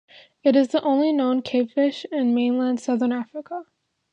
It is the only known cavefish in mainland Southern Africa.